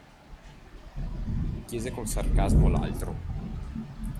Chiese con sarcasmo l'altro.